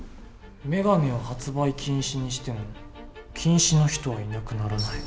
メガネを発売禁止にしても近視の人はいなくならない。